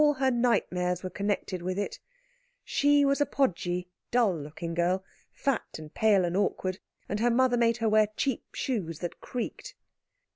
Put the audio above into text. All her nightmares were connected with it. She was a podgy, dull looking girl, fat and pale and awkward, and her mother made her wear cheap shoes that creaked.